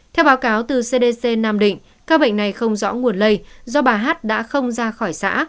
theo báo cáo từ cdc nam định các bệnh này không rõ nguồn lây do bà hát đã không ra khỏi xã